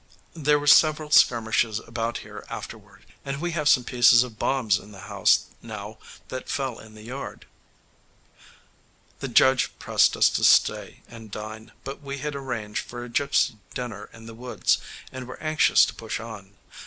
There were several skirmishes about here afterward, and we have some pieces of bombs in the house now that fell in the yard." [Illustration: LAKE BEDFORD.] The judge pressed us to stay and dine, but we had arranged for a gypsy dinner in the woods and were anxious to push on.